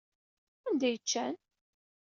Anda ay ččan?